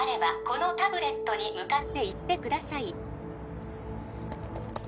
このタブレットに向かって言ってください